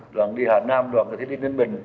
đoàn đi hà nam đoàn đi ninh bình